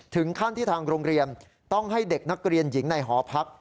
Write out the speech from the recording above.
ถึงขั้นที่ทางโรงเรียนต้องให้เด็กนักเรียนหญิงในหอพัก